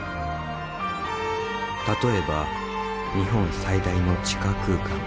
例えば日本最大の地下空間。